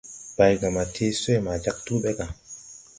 Baygama tee swee ma jāg tuu ɓe ga.